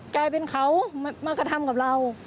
กลายเป็นเขามากระทำกับเรา